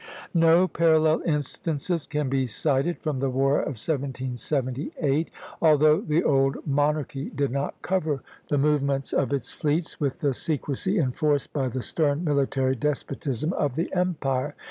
] No parallel instances can be cited from the war of 1778, although the old monarchy did not cover the movements of its fleets with the secrecy enforced by the stern military despotism of the Empire.